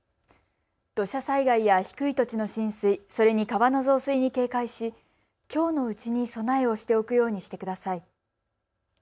土砂災害や低い土地の浸水、それに川の増水に警戒しきょうのうちに備えをしておくようにしてください。